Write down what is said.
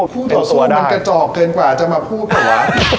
คู่ต่อสู้มันกระจอกเกินกว่าจะมาพูดเหรอวะ